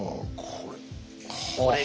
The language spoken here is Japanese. これ。